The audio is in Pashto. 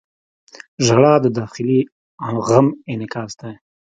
• ژړا د داخلي غم انعکاس دی.